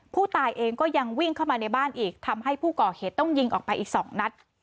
ผู้ตายเองก็ยังวิ่งเข้ามาในบ้านอีกทำให้ผู้ก่อเหตุต้องยิงออกไปอีก๒นัด